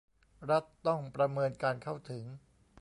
รัฐต้องประเมินการเข้าถึง